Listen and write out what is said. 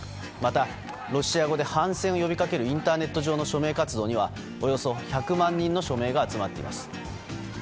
また、ロシア語で反戦を呼びかけるインターネット上の署名活動にはおよそ１００万人の署名が集まっています。